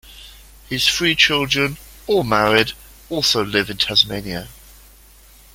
His three children, all married, also live in Tasmania.